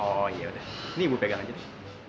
oh iya udah ini ibu pegang aja deh